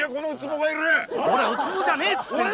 俺はウツボじゃねえっつってるだろ。